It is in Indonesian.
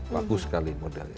bagus sekali modelnya